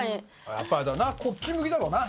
やっぱあれだなこっち向きだろうな。